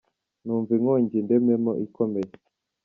Numva inkongi indemyemo ikomeye